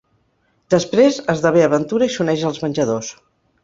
Després esdevé aventura i s'uneix als Venjadors.